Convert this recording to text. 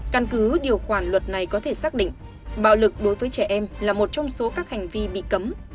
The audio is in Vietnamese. căn cứ điều khoản luật này có thể xác định bạo lực đối với trẻ em là một trong số các hành vi bị cấm